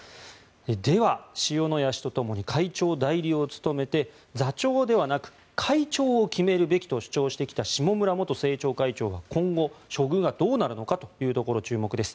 では、塩谷氏とともに会長代理を務めて座長ではなく会長を決めるべきと主張してきた下村元政調会長は今後、処遇はどうなるのかというところに注目です。